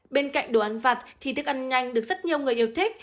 bên cạnh đồ ăn vặt thì thức ăn nhanh được rất nhiều người yêu thích